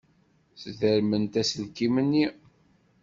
Sdermemt aselkim-nni.